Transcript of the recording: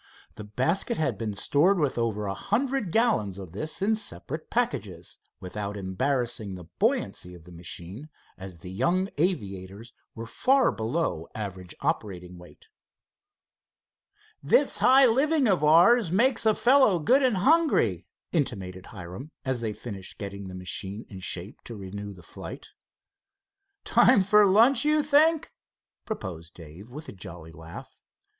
The basket had been stored with over a hundred gallons of this in separate packages, without embarrassing the buoyancy of the machine, as the young aviators were far below average operating weight. "This high living of ours makes and hungry," intimated Hiram, as they finished getting the machine in shape to renew the flight. "Time for lunch, you think?" proposed Dave with a jolly laugh.